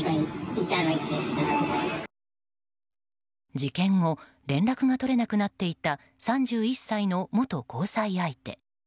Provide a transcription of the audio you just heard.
事件後連絡が取れなくなっていた３１歳の元交際相手。